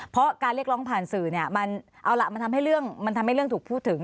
เพราะการเรียกร้องผ่านสื่อเอาล่ะมันทำให้เรื่องถูกพูดถึง